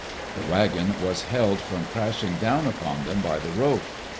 The wagon was held from crashing down upon them by the rope.